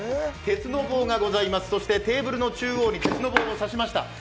鉄の棒がございます、そしてテーブルの中央に鉄の棒を刺しました。